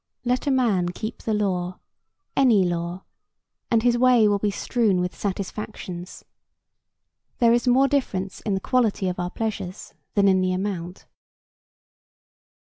Let a man keep the law,—any law,—and his way will be strown with satisfactions. There is more difference in the quality of our pleasures than in the amount.